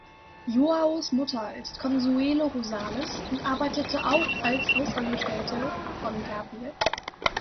Joaos Mutter ist Consuelo Rosales und arbeitete auch als Hausangestellte von Gabriel.